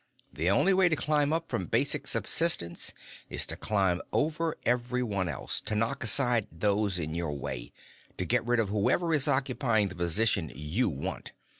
The only way to climb up from basic subsistence is to climb over everyone else, to knock aside those in your way, to get rid of whoever is occupying the position you want.